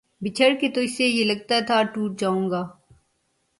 بچھڑ کے تجھ سے یہ لگتا تھا ٹوٹ جاؤں گا